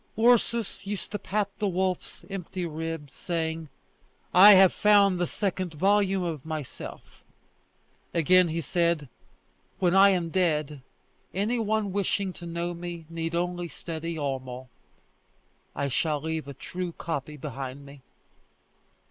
Ursus used to pat the wolf's empty ribs, saying: "I have found the second volume of myself!" Again he said, "When I am dead, any one wishing to know me need only study Homo. I shall leave a true copy behind me."